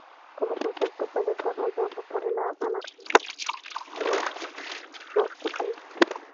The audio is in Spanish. Como concepto fue desarrollado por el anarquista Piotr Kropotkin.